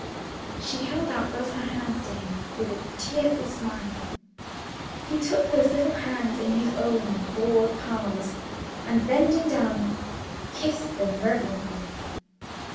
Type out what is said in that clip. She held out both her hands to him with a tearful smile. He took those little hands in his own broad palms, and, bending down, kissed them reverently.